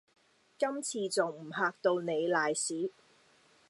今次仲唔嚇到你瀨屎